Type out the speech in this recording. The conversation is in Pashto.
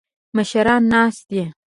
مشران ناست دي.